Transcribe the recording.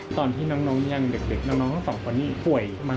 ตอนที่น้องยังเด็กน้องทั้งสองคนนี้ป่วย